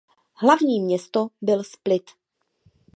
Hlavní město byl Split.